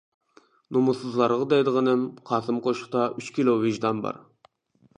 نومۇسسىزلارغا دەيدىغىنىم: قاسىم قوشۇقتا ئۈچ كىلو ۋىجدان بار.